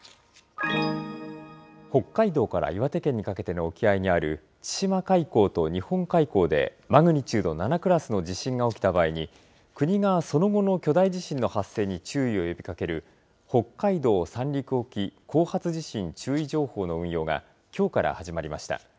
北海道から岩手県にかけての沖合にある千島海溝と日本海溝でマグニチュード７クラスの地震が起きた場合に、国がその後の巨大地震の発生に注意を呼びかける、北海道・三陸沖後発地震注意情報の運用が、きょうから始まりました。